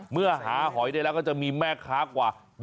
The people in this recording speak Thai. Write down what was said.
เมื่อหาหอยได้แล้วก็จะมีแม่ค้ากว่า